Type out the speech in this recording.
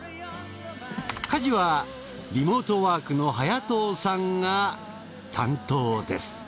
家事はリモートワークの早藤さんが担当です。